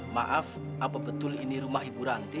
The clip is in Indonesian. maaf apa betul ini rumah ibu ranti